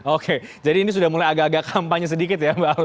oke jadi ini sudah mulai agak agak kampanye sedikit ya mbak alwi